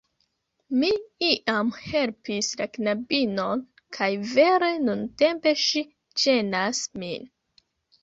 Mi iam helpis la knabinon, kaj vere nuntempe ŝi ĝenas min.